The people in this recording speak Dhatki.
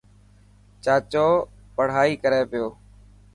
چاچو پڙهائي ڪري پيو.